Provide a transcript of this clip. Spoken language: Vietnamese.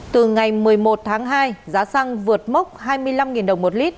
từ ngày một mươi một tháng hai giá xăng vượt mốc hai mươi năm đồng một lít